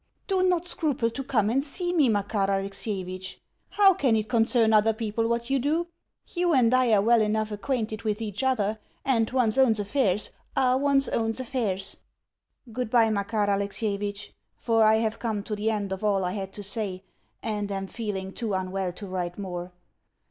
Do not scruple to come and see me, Makar Alexievitch. How can it concern other people what you do? You and I are well enough acquainted with each other, and one's own affairs are one's own affairs. Goodbye, Makar Alexievitch, for I have come to the end of all I had to say, and am feeling too unwell to write more.